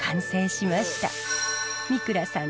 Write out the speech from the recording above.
三倉さん